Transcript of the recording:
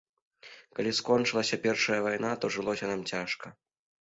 Калі скончылася першая вайна, то жылося нам цяжка.